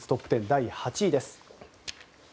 第８位です。